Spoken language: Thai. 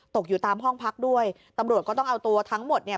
ตกอยู่ตามห้องพักด้วยตำรวจก็ต้องเอาตัวทั้งหมดเนี่ย